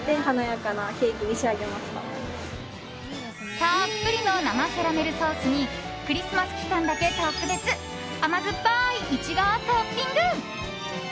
たっぷりの生キャラメルソースにクリスマス期間だけ特別甘酸っぱいイチゴをトッピング。